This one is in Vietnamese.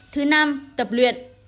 thứ năm tập luyện